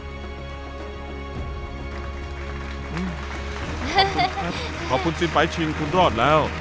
ขอบคุณครับขอบคุณสินไปชิงคุณรอดแล้ว